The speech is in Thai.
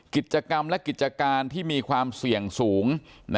กิจกรรมและกิจการที่มีความเสี่ยงสูง